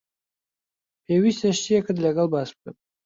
پێویستە شتێکت لەگەڵ باس بکەم.